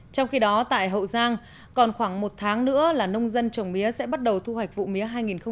trong khi đó tại hậu giang còn khoảng một tháng nữa là nông dân trồng mía sẽ bắt đầu thu hoạch vụ mía hai nghìn một mươi bảy hai nghìn một mươi tám